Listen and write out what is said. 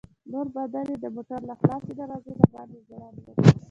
نور بدن يې د موټر له خلاصې دروازې د باندې ځوړند و.